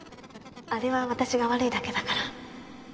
あれは私が悪いだけだから。